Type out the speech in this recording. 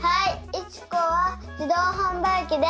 いちこはじどうはんばいきです。